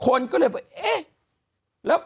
คุณหนุ่มกัญชัยได้เล่าใหญ่ใจความไปสักส่วนใหญ่แล้ว